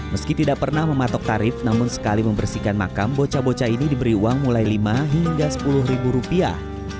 meski tidak pernah mematok tarif namun sekali membersihkan makam bocah bocah ini diberi uang mulai lima hingga sepuluh ribu rupiah